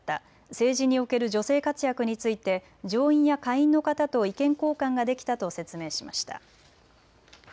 政治における女性活躍について上院や下院の方と意見交換ができたと説明しました。